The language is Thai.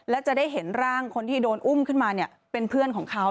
และจะได้เห็นร่างคนที่โดนอุ้มขึ้นมาเป็นเพื่อนของเขา